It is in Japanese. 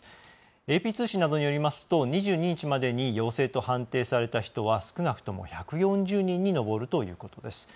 ＡＰ通信などによりますと２２日までに陽性と判定された人は少なくとも１４０人に上るということです。